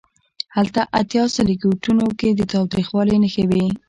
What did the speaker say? هلته اتیا سلکیټونو کې د تاوتریخوالي نښې وې.